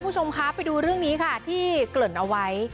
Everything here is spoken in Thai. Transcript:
คุณผู้ชมคะไปดูเรื่องนี้ค่ะที่เกริ่นเอาไว้